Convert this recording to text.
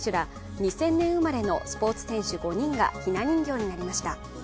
２０００年生まれのスポーツ選手５人がひな人形になりました。